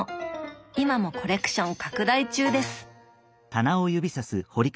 今もコレクション拡大中です。